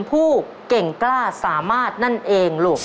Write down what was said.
ผู้เก่งกล้าสามารถนั่นเองลูก